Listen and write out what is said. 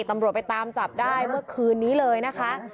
ตำรวจไปตามจับได้เมื่อคืนนี้เลยนะคะ